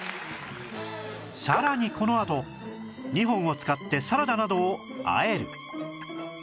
さらにこのあと２本を使ってサラダなどをあえる